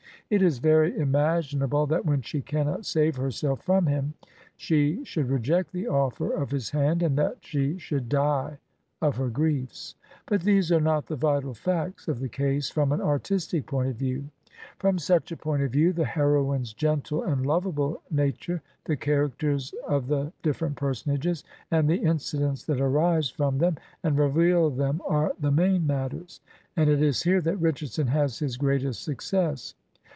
It is very im aginable that when she cannot save herself from him, she should reject the offer of his hand, and that she should die of her griefs ; but these are not the vital facts of the case from an artistic point of view. From such a point of view, the heroine's gentle and lovable nature, the characters of the different personages, and the in cidents that arise from them and reveal them, are the main matters, and it is here that Richardsoi;! has his greatest success.